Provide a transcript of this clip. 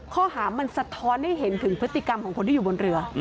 ข้อหามันสะท้อนให้เห็นถึงพฤติกรรมของคนที่อยู่บนเรือ